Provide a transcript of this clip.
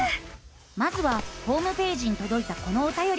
まずはホームページにとどいたこのおたよりから。